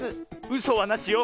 うそはなしよ。